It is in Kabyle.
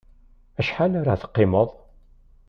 Acḥal ara teqqimeḍ?